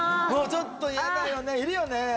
ちょっとやだよねいるよね？